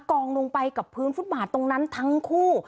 กองลงไปกับพื้นฟุตบาทตรงนั้นทั้งคู่